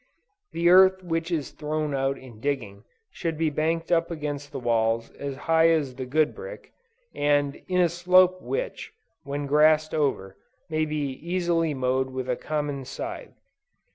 The earth which is thrown out in digging, should be banked up against the walls as high as the good brick, and in a slope which, when grassed over, may be easily mowed with a common scythe.